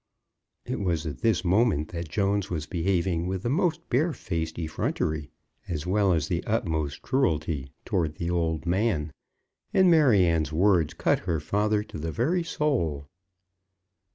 It was at this moment that Jones was behaving with the most barefaced effrontery, as well as the utmost cruelty, towards the old man, and Maryanne's words cut her father to the very soul.